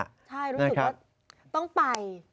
ใช่รู้สึกว่าต้องไป